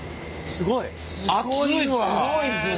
すごいですね。